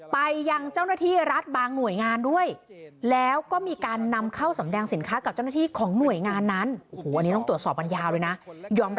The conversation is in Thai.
ไปยังเจ้าหน้าที่รัฐบางหน่วยงานด้วย